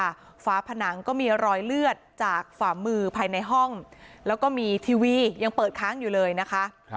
ฝาผนังก็มีรอยเลือดจากฝ่ามือภายในห้องแล้วก็มีทีวียังเปิดค้างอยู่เลยนะคะ